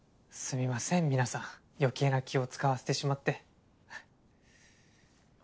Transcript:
すみません皆さん余計な気を使わせてしまって。